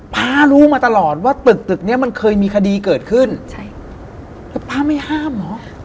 พารู้มาตลอดว่าตึกนี้มันเคยมีคดีเกิดขึ้นพาไม่ห้ามเหรอ